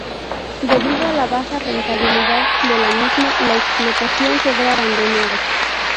Debido a la baja rentabilidad de la misma, la explotación quedó abandonada.